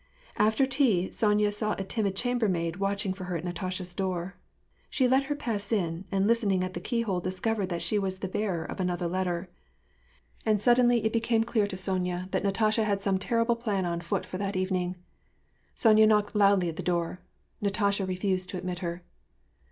After tea, Sonya saw a timid chambermaid watching for her at Natasha's door. She let her pass in, and listening at the keyhole discovered that she was the bearer of another letter. And suddenly it became clear to Sonya that Natasha had WAR AND PEACE, 867 some terrible plan on foot for that evening. Sonya knocked loudly at her door. Natasha refused to admit her.